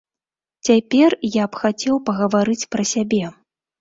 Цяпер я б хацеў пагаварыць пра сябе.